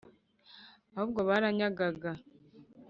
ahubwo baranyagaga